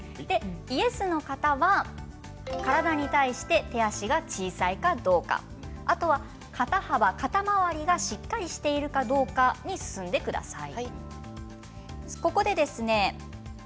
イエスの方は、体に対して手足が小さいかどうか肩回りがしっかりしているかどうかに進んでください。